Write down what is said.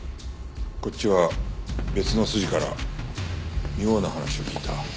こっちは別の筋から妙な話を聞いた。